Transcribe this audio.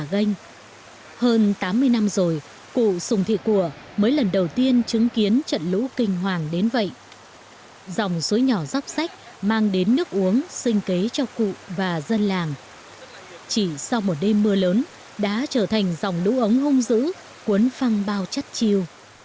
chỉ sau một đêm mưa lớn đá trở thành dòng lũ ống hung dữ cuốn phăng bao chất chiều